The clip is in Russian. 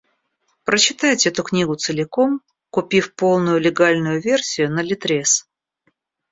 Прочитайте эту книгу целиком, купив полную легальную версию на ЛитРес.